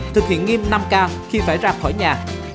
thực hiện nghiêm năm k khi phải ra khỏi nhà